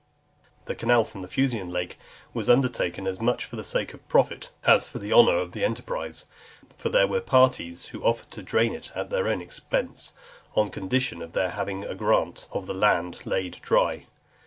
The canal from the Fucine lake was undertaken as much for the sake of profit, as for the honour of the enterprise; for there were parties who offered to drain it at their own expense, on condition of their having a grant of the land laid dry.